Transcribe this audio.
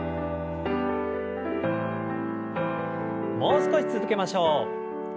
もう少し続けましょう。